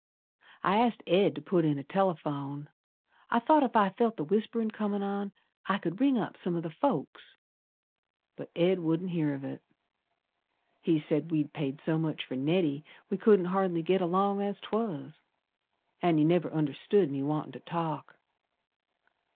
I asked Ed to put in a telephone. I thought ef I felt the whisperin' comin' on I could ring up some o' th' folks. But Ed wouldn't hear of it. He said we'd paid so much for Neddy We couldn't hardly git along as 'twas. An' he never understood me wantin' to talk.